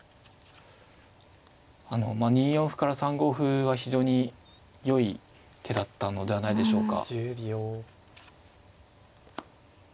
あのまあ２四歩から３五歩は非常によい手だったのではないでしょうか。